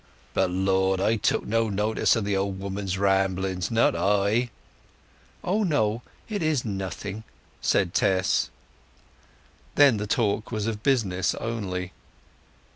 But, Lord, I took no notice of the old woman's ramblings, not I." "Oh no—it is nothing," said Tess. Then the talk was of business only.